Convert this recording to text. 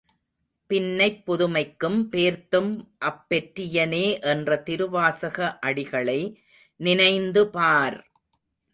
பின்னைப் புதுமைக்கும் பேர்த்தும் அப்பெற்றியனே என்ற திருவாசக அடிகளை நினைந்துபார்!